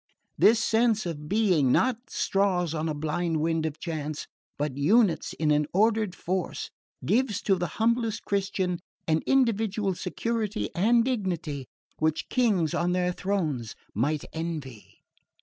This sense of being, not straws on a blind wind of chance, but units in an ordered force, gives to the humblest Christian an individual security and dignity which kings on their thrones might envy.